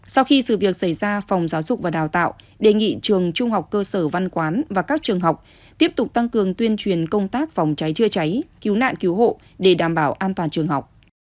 sau khi sự việc xảy ra phòng giáo dục và đào tạo đề nghị trường trung học cơ sở văn quán và các trường học tiếp tục tăng cường tuyên truyền công tác phòng cháy chữa cháy cứu nạn cứu hộ để đảm bảo an toàn trường học